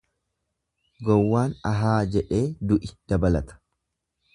Gowwaan ahaa jedhee du'i dabalata.